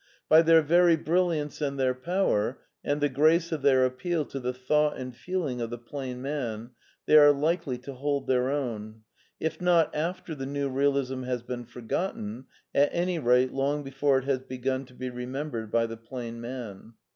By their very brilliance and their power, and the grace of their appeal to the thought and feeling of the plain man, they are likely to hold their own, if not after the New Realism has been forgotten, at any rate long before it has begun to be re membered by tiie plain man.